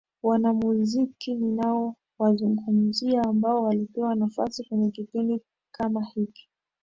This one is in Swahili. Wanamuziki ninaowazungumzia ambao walipewa nafasi kwenye kipindi kama hiki